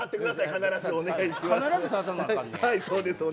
必ずお願いします。